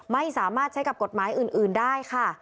ไม่สามารถใช้กับกฎหมายอื่นได้ค่ะ